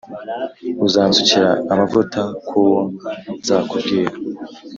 uzansukira amavuta ku wo nzakubwira.